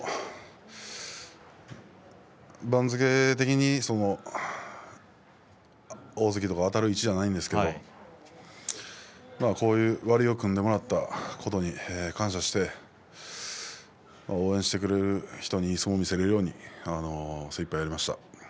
番付的に大関とかあたる位置ではないんですけれどこういう割を組んでもらったことに感謝をして応援してくれる人にいい相撲が見せられるように精いっぱいやりました。